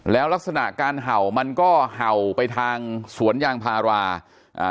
แล้วลักษณะการเห่ามันก็เห่าไปทางสวนยางพาราอ่า